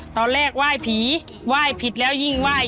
ไหว้ผีไหว้ผิดแล้วยิ่งไหว้